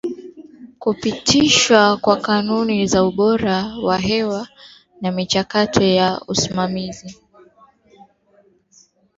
kupitishwa kwa kanuni za ubora wa hewa na michakato ya usimamizi